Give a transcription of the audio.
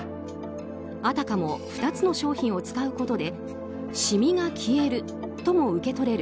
あたかも２つの商品を使うことでシミが消えるとも受け取れる